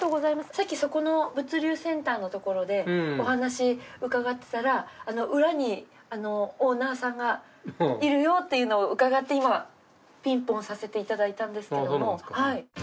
さっきそこの物流センターのところでお話伺ってたら裏にオーナーさんがいるよっていうのを伺って今ピンポンさせていただいたんですけれども。